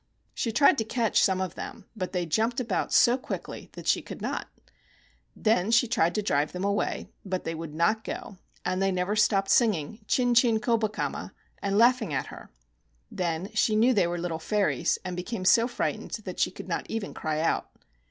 She tried to catch some of them; but they jumped about so quickly ihat she could not. Then she tried to drive them away; but they would not go, and they never stopped singing 14 CHIN CHIN KOBAKAMA "Chin chin Kobakama" and laughing at her. Then she knew they were little fairies, and became so frightened that she could not even cry out.